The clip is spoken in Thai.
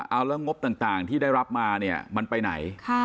เอาแล้วงบต่างที่ได้รับมาเนี่ยมันไปไหน